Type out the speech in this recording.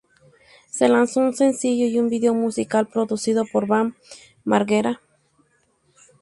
Se lanzó un sencillo y un video musical, producido por Bam Margera.